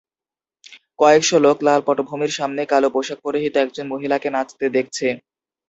কয়েকজন লোক লাল পটভূমির সামনে কালো পোশাক পরিহিত একজন মহিলাকে নাচতে দেখছে।